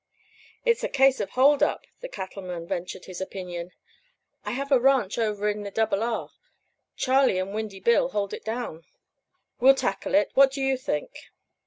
"It's a case of hold up," the Cattleman ventured his opinion. "I have a ranch over in the Double R. Charley and Windy Bill hold it down. We'll tackle it. What do you think?"